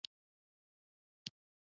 د مرغاب سیند په کوم ولایت کې جریان لري؟